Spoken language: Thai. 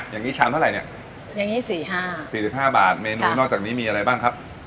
อ่ะอย่างงี้ชามเท่าไรเนี้ยอย่างงี้สี่ห้าสี่สิบห้าบาทเมนูนอกจากนี้มีอะไรบ้างครับ